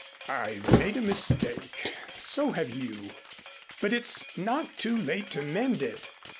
"I've made a mistake. So have you. But it's not too late to mend it.